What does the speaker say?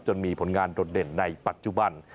มีผลงานโดดเด่นในปัจจุบัน